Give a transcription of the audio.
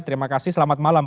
terima kasih selamat malam